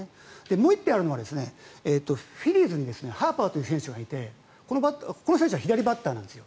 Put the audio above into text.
もう１点あるのはフィリーズにハーパーという選手がいてこの選手は左バッターなんです。